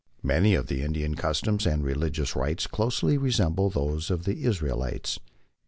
Many of the Indian customs and religious rites closely resemble those of the Israelites.